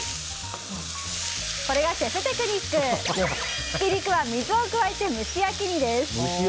これがシェフテクニックひき肉は水を加えて蒸し焼きに！